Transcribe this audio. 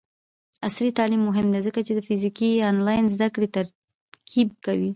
عصري تعلیم مهم دی ځکه چې د فزیکي او آنلاین زدکړې ترکیب کوي.